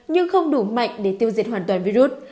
nhưng không đủ mạnh để tiêu diệt hoàn toàn virus